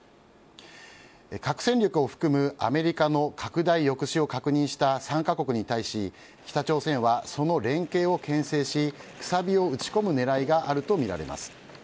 核戦力を含むアメリカの拡大抑止を確認した３カ国に対し北朝鮮はその連携をけん制しくさびを打ち込む狙いがあるとみられます。